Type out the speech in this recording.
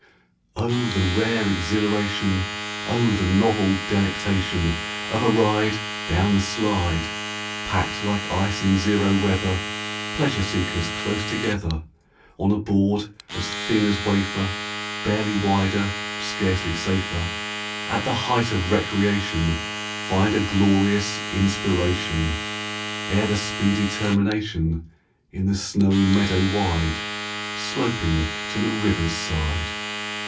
Oh, the rare exhilaration, Oh, the novel delectation Of a ride down the slide! Packed like ice in zero weather, Pleasure seekers close together, On a board as thin as wafer, Barely wider, scarcely safer, At the height of recreation Find a glorious inspiration, Ere the speedy termination In the snowy meadow wide, Sloping to the river's side.